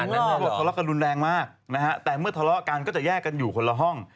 ไม่ถึงหรอกเหรอทะเลาะกันรุนแรงมากแต่เมื่อทะเลาะกันก็จะแยกกันอยู่คนละห้อง